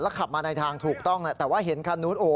ขับมาในทางถูกต้องแต่ว่าเห็นคันนู้น